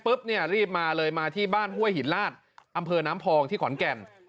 เนี่ยรีบมาเลยมาที่บ้านห้วยหินลาดอำเภอน้ำพองที่ขอนแก่น